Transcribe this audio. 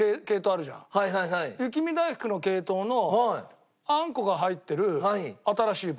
雪見だいふくの系統のあんこが入ってる新しいバージョン。